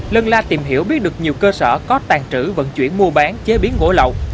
lân la tìm hiểu biết được nhiều cơ sở có tàn trữ vận chuyển mua bán chế biến gỗ lậu